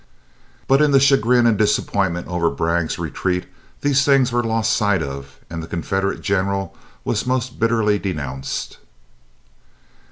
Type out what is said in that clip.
But in the chagrin and disappointment over Bragg's retreat these things were lost sight of and the Confederate general was most bitterly denounced.